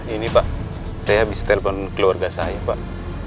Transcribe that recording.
ini pak saya habis telepon keluarga saya pak